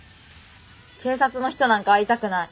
警察の人なんか会いたくない。